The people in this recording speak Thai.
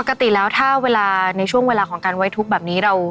ปกติแล้วถ้าเวลาในช่วงเวลาของการไว้ทุกข์แบบนี้